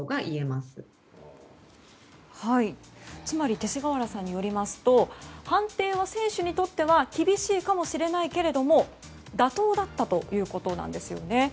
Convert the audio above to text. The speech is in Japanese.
つまり勅使川原さんによりますと判定は選手にとっては厳しいかもしれないけれど妥当だったということなんですよね。